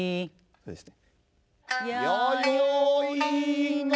そうですね。